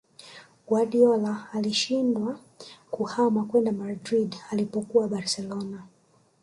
Guardiola alishindwa kuhama kwenda Madrid alipokuwa Barcelona